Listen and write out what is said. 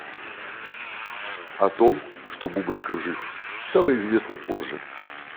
О том, что Бубликов жив, стало известно позже.